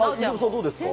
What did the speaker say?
どうですか？